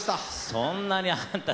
そんなにあんた